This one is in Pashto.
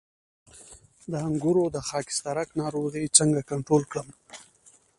د انګورو د خاکسترک ناروغي څنګه کنټرول کړم؟